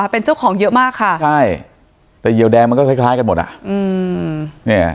เป็นเจ้าของเยอะมากค่ะไงแต่เหี่ยวแดงมันก็คล้ายกันหมดน่ะ